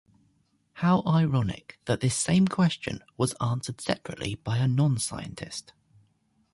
How ironic that this same question was answered separately by a non-scientist.